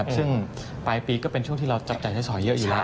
ซึ่งปลายปีก็เป็นช่วงที่เราจับจ่ายใช้สอยเยอะอยู่แล้ว